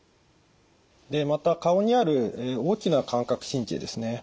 でまた顔にある大きな感覚神経ですね。